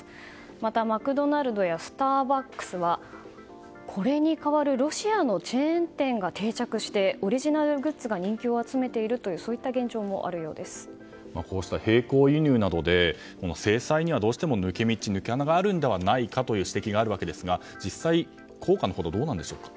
また、マクドナルドやスターバックスはこれに代わるロシアのチェーン店が定着してオリジナルグッズが人気を集めているとこうした並行輸入などで制裁にはどうしても抜け道、抜け穴があるのではないかという指摘があるわけですが実際、効果はどうなんでしょうか。